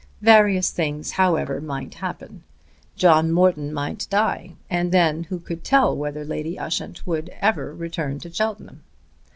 Various things, however, might happen. John Morton might die, and then who could tell whether Lady Ushant would ever return to Cheltenham?